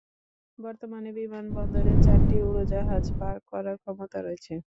বর্তমানে বিমানবন্দরে চারটি উড়োজাহাজ পার্ক করার ক্ষমতা রয়েছে।